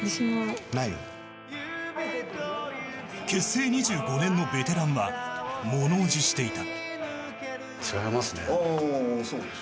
結成２５年のベテランは物おじしていた。